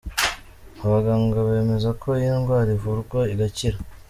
Abaganga bemeza ko iyi ndwara ivurwa igakira.